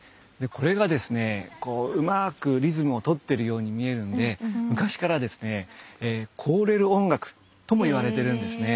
これがですねうまくリズムを取ってるように見えるんで昔からですね「凍れる音楽」ともいわれてるんですね。